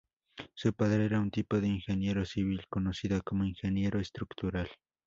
Su padre era un tipo de ingeniero civil conocida como ingeniero estructural.